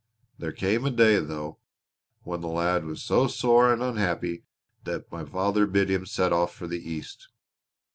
There came a day, though, when the lad was so sore and unhappy that my father bid him set off for the East.